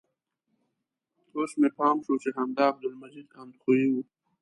اوس مې پام شو چې همدا عبدالمجید اندخویي و.